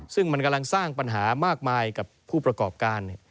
ซึ่งมันกำลังสร้างปัญหามากมายกับผู้ประกอบการ